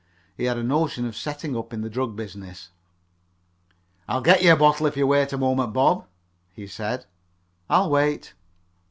He had a notion of setting up in the drug business. "I'll get you a bottle if you wait a while, Bob," he said. "I'll wait."